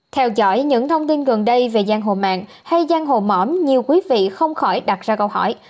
theo dõi những thông tin gần đây về giang hồ mạng hay giang hồ mỏm nhiều quý vị không khỏi đặt ra câu hỏi